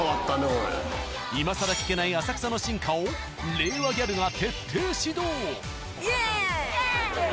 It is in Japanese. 今さら聞けない浅草の進化を令和ギャルが徹底指導。